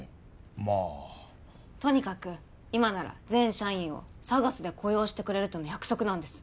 まあとにかく今なら全社員をＳＡＧＡＳで雇用してくれるとの約束なんです